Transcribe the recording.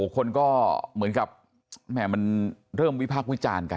คนก็เหมือนกับมันเริ่มวิพากษ์วิจารณ์กัน